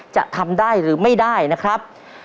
จะทำได้หรือไม่ได้นะครับ